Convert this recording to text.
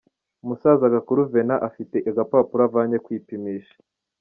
Umusaza Gakuru Venant afite agapapuro avanye kwipimisha.